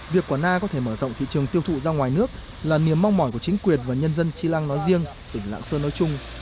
việc quả na có thể mở rộng thị trường tiêu thụ ra ngoài nước là niềm mong mỏi của chính quyền và nhân dân chi lăng nói riêng tỉnh lạng sơn nói chung